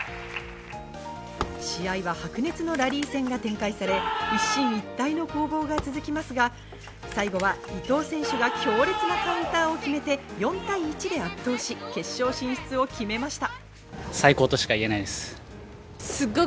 試合は白熱のラリー戦が展開され、一進一退の攻防が続きますが、最後は伊藤選手が強烈なカウンターを決めて４対１で圧倒し、決勝進出を決めました。